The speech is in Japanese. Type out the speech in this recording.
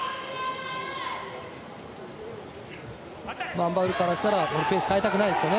アン・バウルからしたらペースを変えたくないですよね